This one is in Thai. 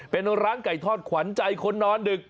เป็นร้านไก่ทอดขวัญใจคนนอนดึก